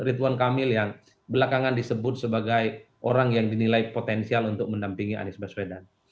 ridwan kamil yang belakangan disebut sebagai orang yang dinilai potensial untuk mendampingi anies baswedan